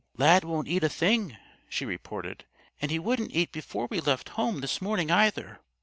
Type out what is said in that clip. "Lad won't eat a thing," she reported, "and he wouldn't eat before we left home this morning, either.